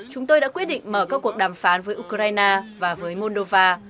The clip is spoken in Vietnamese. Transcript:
chúng tôi đã quyết định mở các cuộc đàm phán với ukraine và với moldova